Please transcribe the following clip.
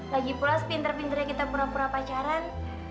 lagipula sepintar pintarnya kita pura pura pacaran